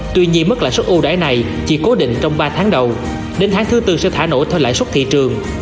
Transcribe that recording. tuy nhiên mức lãi suất uob này chỉ cố định trong ba tháng đầu đến tháng thứ bốn sẽ thả nổ theo lãi suất thị trường